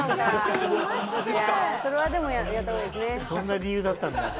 そんな理由だったんだ。